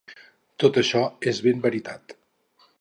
Tot això és ben veritat.